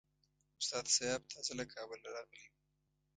استاد سیاف تازه له کابله راغلی وو.